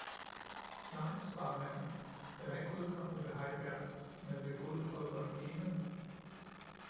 "Nej," svarede manden, "den er ikke udkommet ved Heiberg, men ved Godfred von Gehmen!"